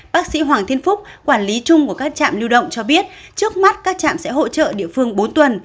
bác sĩ hoàng thiên phúc quản lý chung của các trạm lưu động cho biết trước mắt các trạm sẽ hỗ trợ địa phương bốn tuần